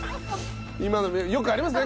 今のよくありますね